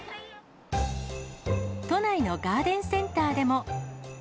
都内のガーデンセンターでも。